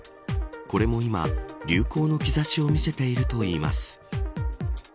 これも今流行の兆しを見せているといいます。